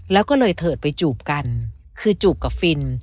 แล้วก็เลยเถิดไปจูบกันคือจูบกับฟิน